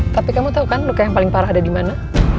tapi kamu tau kan luka yang paling parah ada dimana